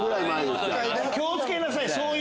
気を付けなさい！